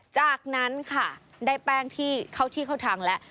จากนั้นค่ะได้แป้งที่เข้าที่เข้าทางแล้ว